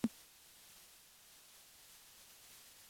มันถูกนำไปยังบริเวณโบสถ์ในตอนเย็น